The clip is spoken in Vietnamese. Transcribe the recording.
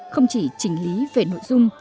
không chỉ trình lý về nội dung